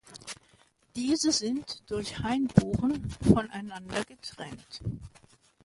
Diese sind durch Hainbuchen voneinander getrennt.